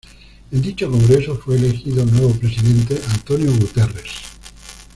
En dicho Congreso, fue elegido nuevo presidente Antonio Guterres.